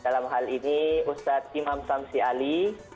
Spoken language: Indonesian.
dalam hal ini ustadz imam samsi ali